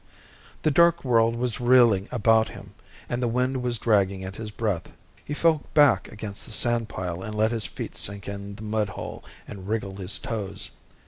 The dark world was reeling about him, and the wind was dragging at his breath. He fell back against the sand pile and let his feet sink in the mud hole and wriggled his toes.